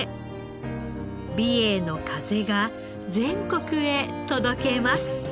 美瑛の風が全国へ届けます。